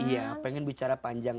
iya pengen bicara panjang